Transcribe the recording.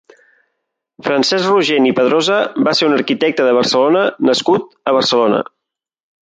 Francesc Rogent i Pedrosa va ser un arquitecte de Barcelona nascut a Barcelona.